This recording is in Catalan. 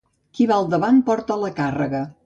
Qui va davant porta la càrrega.